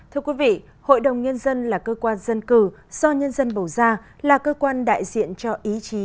thưa quý vị hội đồng nhân dân là cơ quan dân cử do nhân dân bầu ra là cơ quan đại diện cho ý chí